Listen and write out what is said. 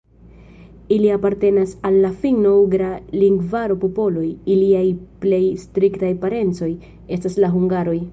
Ili apartenas al la finno-ugra lingvaro popoloj, iliaj plej striktaj parencoj estas la hungaroj.